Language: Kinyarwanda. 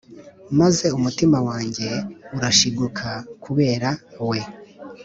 maze umutima wanjye urashiguka kubera we.